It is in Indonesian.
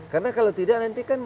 karena kalau tidak nanti kan